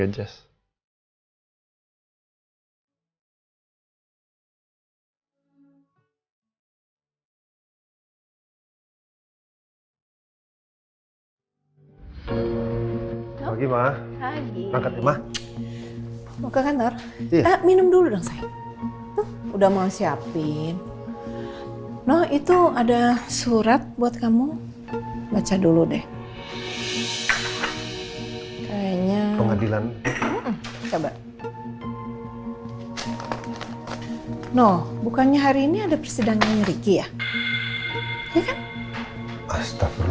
jangan disana ini kalau gila di sekitar distan